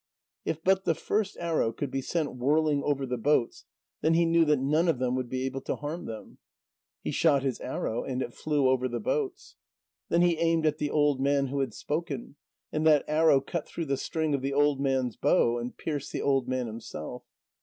If but the first arrow could be sent whirling over the boats, then he knew that none of them would be able to harm him. He shot his arrow, and it flew over the boats. Then he aimed at the old man who had spoken, and that arrow cut through the string of the old man's bow, and pierced the old man himself.